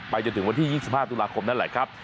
จนถึงวันที่๒๕ตุลาคมนั่นแหละครับ